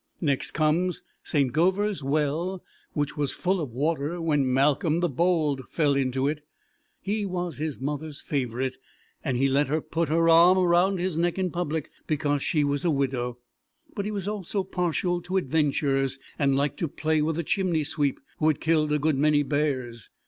Next comes St. Govor's Well, which was full of water when Malcolm the Bold fell into it. He was his mother's favourite, and he let her put her arm round his neck in public because she was a widow, but he was also partial to adventures and liked to play with a chimney sweep who had killed a good many bears.